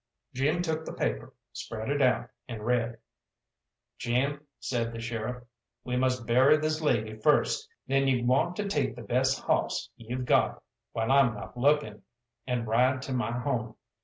Jim took the paper, spread it out, and read "Jim," said the sheriff, "we must bury this lady first. Then you want to take the best hawss you've got, while I'm not looking, and ride to my home.